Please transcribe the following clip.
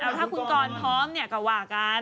เอาถ้าคุณกรอนพร้อมเนี้ยกัวหว่ากัน